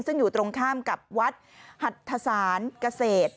ซึ่งอยู่ตรงข้ามกับวัดหัทธศาลเกษตร